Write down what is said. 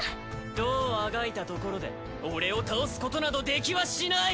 どうあがいたところで俺を倒すことなどできはしない！